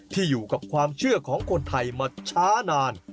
อยู่กับความเชื่อของคนไทยมาช้านาน